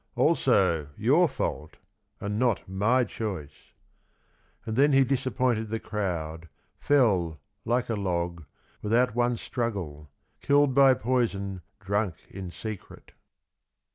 Also your fault— and not my choice." And then he disappointed the crowd, fell, like a log, without one struggle, killed by poison, drunk in secret.